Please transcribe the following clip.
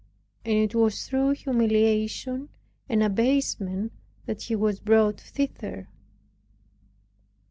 And it was through humiliation and abasement that he was brought thither.